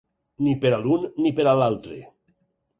Ni per a l’un ni per a l’altre.